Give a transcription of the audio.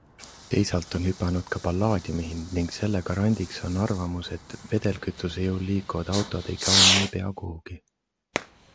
Teisalt on hüpanud ka pallaadiumi hind ning selle garandiks on arvamus, et vedelkütuse jõul liikuvad autod ei kao niipea kuhugi.